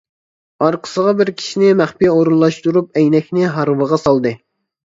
ئارقىسىغا بىر كىشىنى مەخپىي ئورۇنلاشتۇرۇپ، ئەينەكنى ھارۋىغا سالدى.